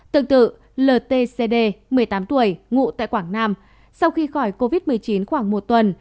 tương tự ltd một mươi tám tuổi ngụ tại quảng nam sau khi khỏi covid một mươi chín khoảng một tuần